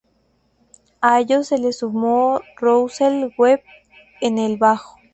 A ellos se les sumó Russell Webb, en el bajo.